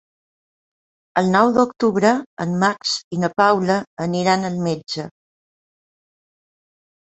El nou d'octubre en Max i na Paula aniran al metge.